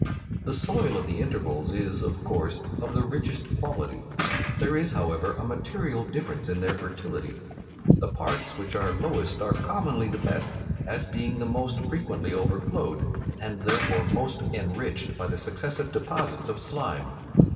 The soil of the intervals is, of course, of the richest quality: there is, however, a material difference in their fertility. The parts which are lowest are commonly the best, as being the most frequently overflowed, and therefore most enriched by the successive deposits of slime.